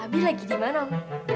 abi lagi di mana om